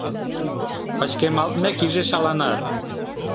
Пычкемалтмек иже шаланат.